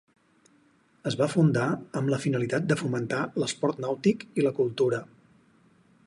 Es va fundar amb la finalitat de fomentar l’esport nàutic i la cultura.